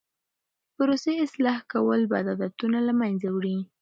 د پروسې اصلاح کول بد عادتونه له منځه وړي.